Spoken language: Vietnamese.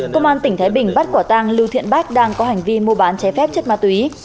công an tỉnh thái bình bắt quả tang lưu thiện bác đang có hành vi mua bán trái phép chất ma túy